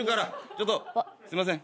ちょっとすいません。